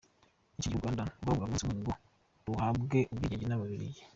Icyo gihe u Rwanda rwaburaga umunsi umwe ngo ruhabwe ubwigenge n’Ababiligi.